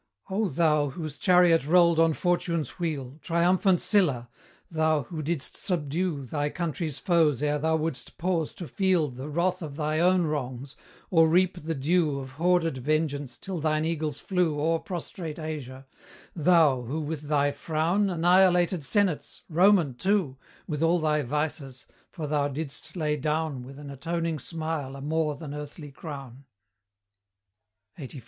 O thou, whose chariot rolled on Fortune's wheel, Triumphant Sylla! Thou, who didst subdue Thy country's foes ere thou wouldst pause to feel The wrath of thy own wrongs, or reap the due Of hoarded vengeance till thine eagles flew O'er prostrate Asia; thou, who with thy frown Annihilated senates Roman, too, With all thy vices, for thou didst lay down With an atoning smile a more than earthly crown LXXXIV.